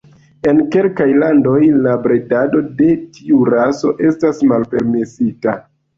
En kelkaj landoj, la bredado de tiu raso estas malpermesita.